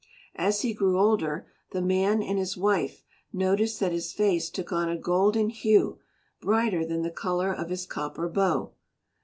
As he grew older the man and his wife noticed that his face took on a golden hue brighter than the colour of his copper bow.